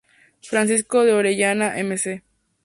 Francisco de Orellana Mz.